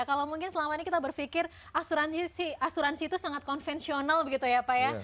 kalau mungkin selama ini kita berpikir asuransi itu sangat konvensional begitu ya pak ya